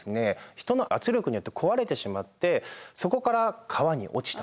人の圧力によって壊れてしまってそこから川に落ちたりですね